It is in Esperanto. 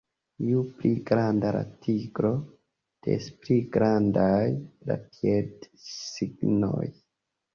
Ju pli granda la tigro, des pli grandaj la piedsignoj.